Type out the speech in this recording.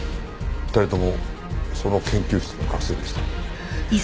２人ともその研究室の学生でした。